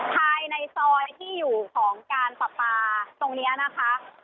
ภายในซอยที่อยู่ของการปรับปลาตรงนี้นะคะ